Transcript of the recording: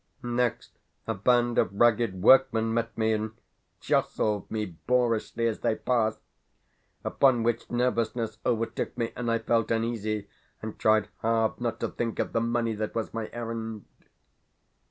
Next a band of ragged workmen met me, and jostled me boorishly as they passed; upon which nervousness overtook me, and I felt uneasy, and tried hard not to think of the money that was my errand.